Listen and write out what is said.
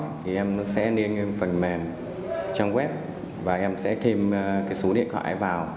thì em sẽ lên phần mềm trang web và em sẽ thêm cái số điện thoại vào